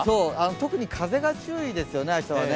特に風が注意ですよね、明日はね